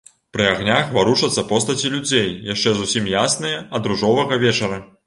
Пры агнях варушацца постаці людзей, яшчэ зусім ясныя ад ружовага вечара.